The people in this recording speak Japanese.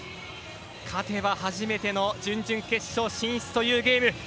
勝てば初めての準々決勝進出というゲーム。